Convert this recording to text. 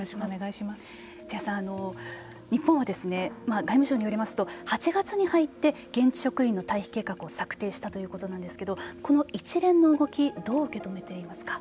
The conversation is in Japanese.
瀬谷さん、日本は外務省によりますと８月に入って現地職員の退避計画を策定したということですがこの一連の動きどう受けとめていますか。